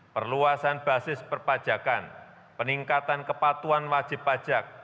perluasan basis perpajakan peningkatan kepatuan wajib pajak